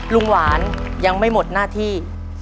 ลุงหวานยังไม่หมดหน้าที่